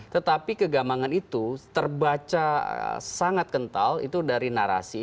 tetapi kegamangan itu terbaca sangat kental itu dari narasi